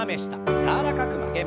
柔らかく曲げます。